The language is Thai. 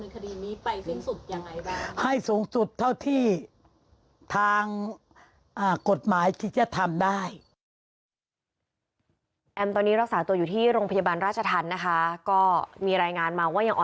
คุณยายอยากจะให้การดำเนินคดีนี้ไปสิ้นสุดอย่างไรบ้าง